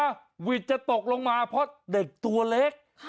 วิทย์จะตกลงมาเพราะเด็กตัวเล็ก